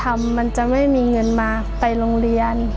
มันจะไม่มีเงินมาไปโรงเรียน